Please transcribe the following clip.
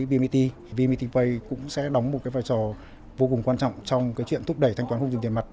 vnpt pay cũng sẽ đóng một vai trò vô cùng quan trọng trong chuyện thúc đẩy thanh toán không dùng tiền mặt